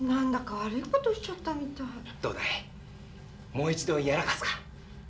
もう一度やらかすか？